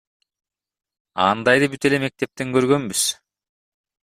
Андайды бүт эле мектептен көргөнбүз.